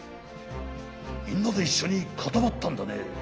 みんなでいっしょにかたまったんだね。